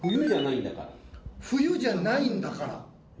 「冬じゃないんだから」。